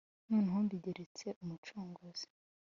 None mbigirente umucunguzi